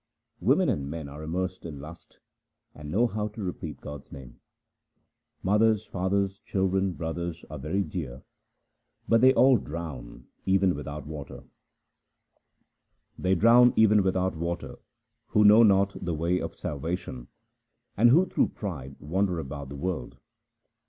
Women and men are immersed in lust, and know not to repeat God's name. Mothers, fathers, children, and brothers are very dear, but they all drown even without water. HYMNS OF GURU AMAR DAS 187 They drown even without water who know not the way of salvation, and who through pride wander about the world.